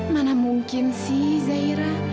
mana mungkin sih zaira